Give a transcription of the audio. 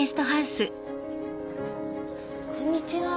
こんにちは。